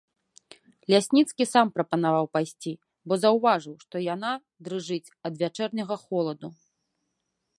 Лясніцкі сам прапанаваў пайсці, бо заўважыў, што яна дрыжыць ад вячэрняга холаду.